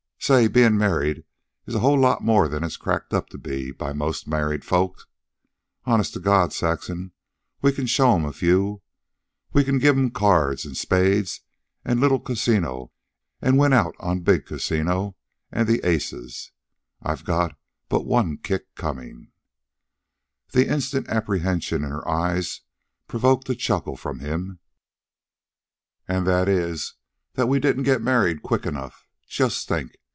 "Say, bein' married is a whole lot more than it's cracked up to be by most married folks. Honest to God, Saxon, we can show 'em a few. We can give 'em cards and spades an' little casino an' win out on big casino and the aces. I've got but one kick comin'." The instant apprehension in her eyes provoked a chuckle from him. "An' that is that we didn't get married quick enough. Just think.